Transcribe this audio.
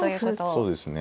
そうですね。